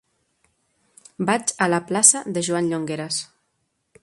Vaig a la plaça de Joan Llongueras.